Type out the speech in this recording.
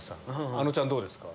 あのちゃんどうですか？